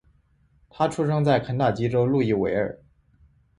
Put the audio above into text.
他出生在肯塔基州路易维尔。